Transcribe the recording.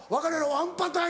ワンパターン